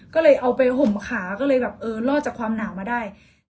ก็เลยเอาไปห่มขาก็เลยแบบเออรอดจากความหนาวมาได้